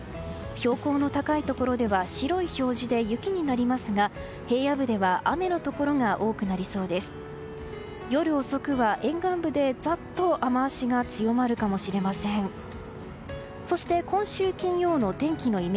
標高の高いところでは白い表示で、雪になりますが平野部では雨のところが多くなりそうです。